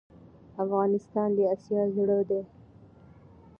افغانستان دي اسيا زړه ده